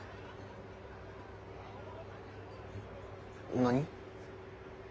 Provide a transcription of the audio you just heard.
何？